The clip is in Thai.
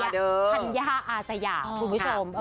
ธัญญาอาสยาคุณผู้ชม